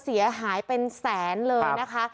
เสียหายเป็นแสนเลยนะคะ